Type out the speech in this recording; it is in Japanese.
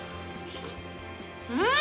うん！